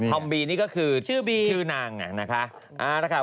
ธอมบีนี่ก็คือชื่อนางนะคะ